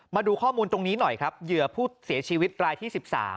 มาดูข้อมูลตรงนี้หน่อยครับเหยื่อผู้เสียชีวิตรายที่๑๓